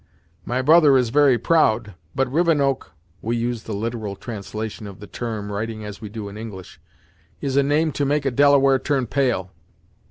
"My brother is very proud, but Rivenoak (we use the literal translation of the term, writing as we do in English) is a name to make a Delaware turn pale."